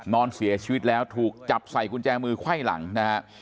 นอนเสียชีวิตแล้วถูกจับใส่กุญแจมือไขว้หลังนะฮะ